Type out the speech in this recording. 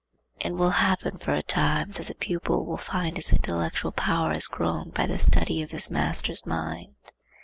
It will happen for a time that the pupil will find his intellectual power has grown by the study of his master's mind.